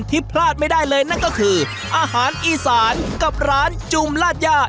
พลาดไม่ได้เลยนั่นก็คืออาหารอีสานกับร้านจูมลาดย่า